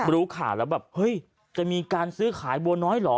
รู้ข่าวแล้วแบบเฮ้ยจะมีการซื้อขายบัวน้อยเหรอ